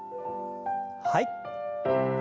はい。